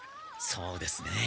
そうですね。